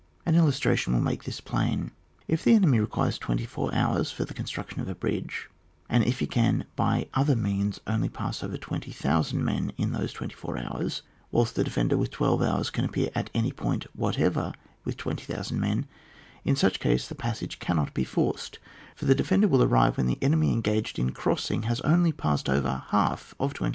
An illastratioii will make this plain. If the enemy requires twenty«four hours for the construction of a bridge, and if he can by other means only pass over 20,000 men in those twenty four hours, whilst the defender within twelve hours can appear at any point whatever with 20,000 men, in such case the passage cannot be forced ; for the defender will arrive when the enemy engaged iu crossing has only passed over the half of 20,000.